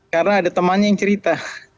karena ada temannya yang cerita